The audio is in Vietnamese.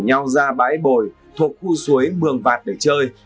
các cháu rủ nhau ra bãi bồi thuộc khu suối mường vạt để chơi